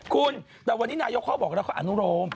คุณวันนี้นายยกข้อบอกแล้วออนุโรม